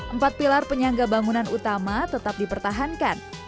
empat pilar penyangga bangunan utama tetap dipertahankan